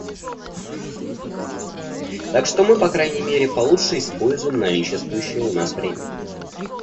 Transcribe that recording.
Так что мы, по крайней мере, получше используем наличествующее у нас время.